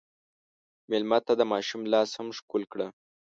مېلمه ته د ماشوم لاس هم ښکل کړه.